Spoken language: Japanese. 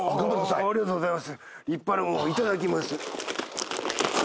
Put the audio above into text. ありがとうございます。